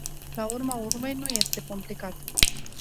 La urma urmei, nu este complicat!